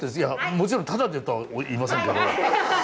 もちろんタダでとは言いませんけど。